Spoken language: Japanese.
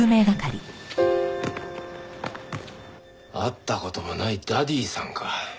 会った事もないダディさんか。